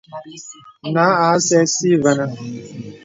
Nǎ à sɛ̀ɛ̀ si və̀nə̀.